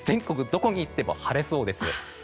どこに行っても晴れそうです。